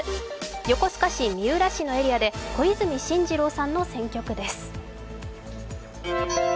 横須賀市、三浦市のエリアで小泉進次郎さんの選挙区です。